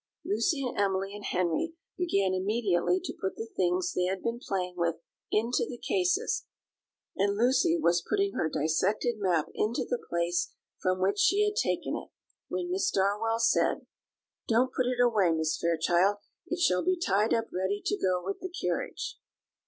Lucy and Emily and Henry began immediately to put the things they had been playing with into the cases, and Lucy was putting her dissected map into the place from which she had taken it, when Miss Darwell said: "Don't put it away, Miss Fairchild; it shall be tied up ready to go with the carriage."